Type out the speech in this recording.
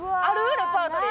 レパートリー。